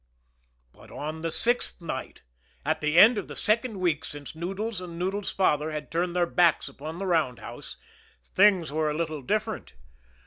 But on the sixth night at the end of the second week since Noodles and Noodles' father had turned their backs upon the roundhouse things were a little different.